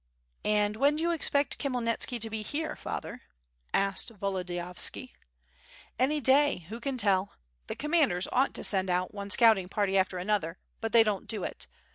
"And when do you expect Khmyelnitski to be here, father?" asked Volodiyovski. "Any day, who can tell. The commanders ought to send out one scouting party after another, but they don't do it.